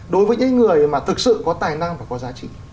đối với những người mà thực sự có tài năng và có giá trị